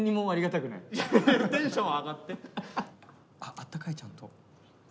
あったかいちゃんと。